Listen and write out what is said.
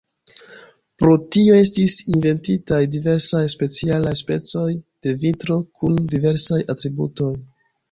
Pro tio estis inventitaj diversaj specialaj specoj de vitro kun diversaj atributoj.